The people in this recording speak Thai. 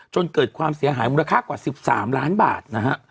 จนเกิดความเสียหายมูลค่ากว่า๑๓ล้านบาทนะฮะ